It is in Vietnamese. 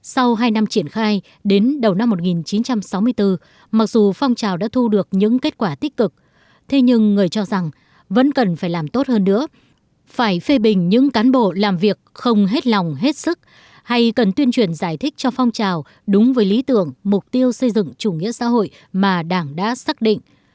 sau hai năm triển khai đến đầu năm một nghìn chín trăm sáu mươi bốn mặc dù phong trào đã thu được những kết quả tích cực thế nhưng người cho rằng vẫn cần phải làm tốt hơn nữa phải phê bình những cán bộ làm việc không hết lòng hết sức hay cần tuyên truyền giải thích cho phong trào đúng với lý tưởng mục tiêu xây dựng chủ nghĩa xã hội mà đảng đã xác định